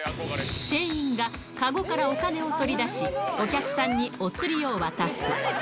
店員がかごからお金を取り出し、お客さんにお釣りを渡す。